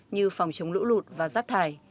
như phòng chống lũ lụt và rác thải